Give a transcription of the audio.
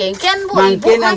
itu pidan tayang ini buat nyanyi